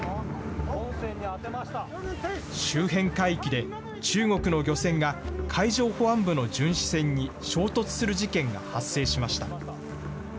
周辺海域で中国の漁船が海上保安部の巡視船に衝突する事件が発生しました。